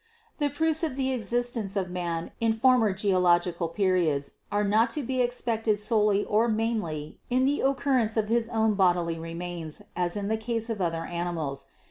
"The proofs of the existence of man in former geologi cal periods are not to be expected solely or mainly in the occurrence of his own bodily remains as in the case of other animals.